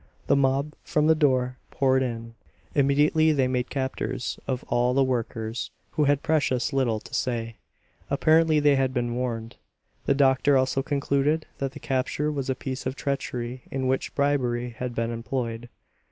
The mob from the door poured in. Immediately they made captors of all the workers, who had precious little to say. Apparently they had been warned. The doctor also concluded that the capture was a piece of treachery, in which bribery had been employed.